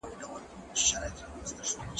زه مخکي د زده کړو تمرين کړی وو!!